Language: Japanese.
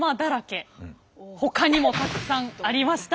ほかにもたくさんありました。